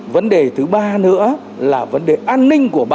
vấn đề thứ ba nữa là vấn đề an ninh của bạn